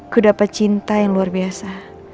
ku dapat cinta yang luar biasa